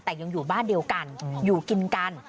แต่ยังอยู่บ้านเดียวกันอยู่กินกัน